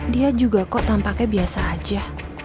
dia juga kok tampaknya biasa aja